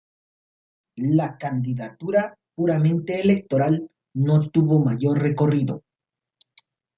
La candidatura, puramente electoral, no tuvo mayor recorrido.